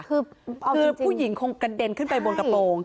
คือผู้หญิงคงกระเด็นขึ้นไปบนกระโปรง